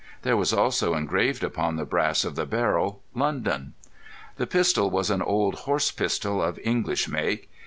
There was also engraved upon the brass of the barrel "London." The pistol was an old horse pistol of English make.